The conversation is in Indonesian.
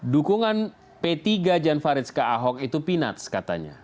dukungan p tiga jan farid ke ahok itu pinat katanya